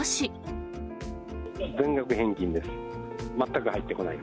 全額返金です。